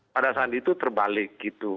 pada saat itu terbalik gitu